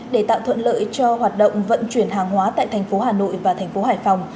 để tạo thuận lợi cho hoạt động vận chuyển hàng hóa tại thành phố hà nội và thành phố hải phòng